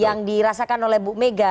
yang dirasakan oleh bu mega